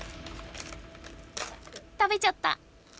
食べちゃった！